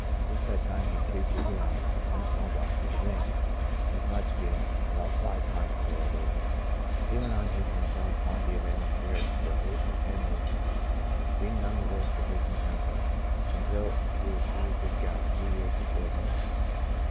Since that time he increased his allowance to ten small glasses of brandy, as much gin, and about five pints of ale daily. He went on taking this large quantity of ale and spirits for eight or ten years, being none the worse for his intemperance, until he was seized with gout two years before admission.